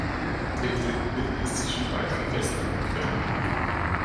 Im dritten Bild ist sie schon weit vom Festland entfernt.